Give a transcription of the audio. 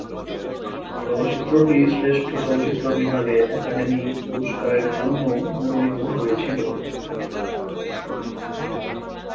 চলচ্চিত্রটি শ্রেষ্ঠ চলচ্চিত্র বিভাগে একাডেমি পুরস্কারের জন্যও মনোনীত হয়েছিল।